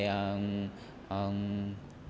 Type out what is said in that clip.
là người nước ngoài